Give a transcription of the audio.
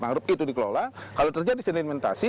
mangrove itu dikelola kalau terjadi sedimentasi